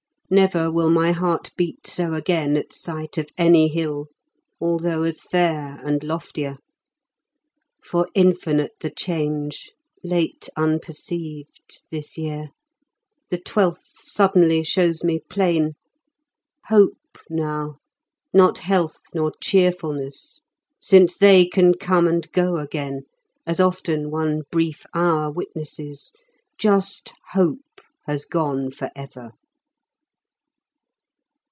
Never will My heart beat so again at sight Of any hill although as fair And loftier. For infinite The change, late unperceived, this year, The twelfth, suddenly, shows me plain. Hope now, not health nor cheerfulness, Since they can come and go again, As often one brief hour witnesses, Just hope has gone forever.